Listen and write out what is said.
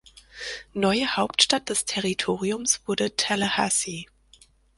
Neue Hauptstadt des Territoriums wurde Tallahassee.